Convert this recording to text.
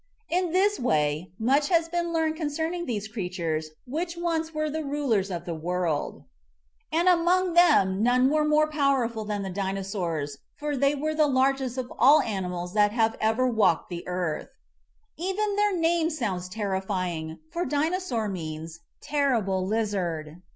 In this way much has been learned concerning these creatures which once were the rulers of the world. And among 15 16 MIGHTY ANIMALS them none were more powerful than the Dino saurs, for they were the largest of all animals that have ever walked the earth. Even their name sounds terrifying, for Dinosaur means Terri ble Lizard.